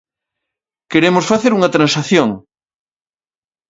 Queremos facer unha transacción.